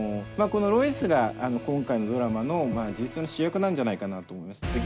このロイスが今回のドラマの事実上の主役なんじゃないかなとも思います。